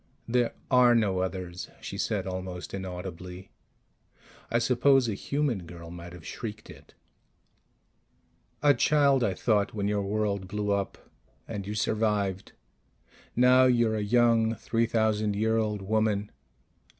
"There are no others," she said almost inaudibly. I suppose a human girl might have shrieked it. A child, I thought, _when your world blew up. And you survived. Now you're a young three thousand year old woman